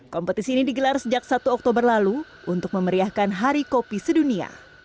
kompetisi ini digelar sejak satu oktober lalu untuk memeriahkan hari kopi sedunia